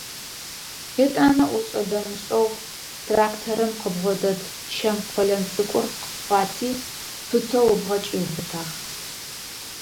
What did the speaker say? Етӏанэ ошӏэ-дэмышӏэу тракторым къыбгъодэт чэм къолэн цӏыкӏур къыпхъуати, пытэу ыбгъэ кӏиубытагъ.